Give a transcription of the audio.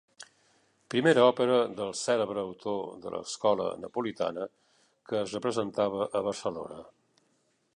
Primera òpera del cèlebre autor de l'escola napolitana que es representava a Barcelona.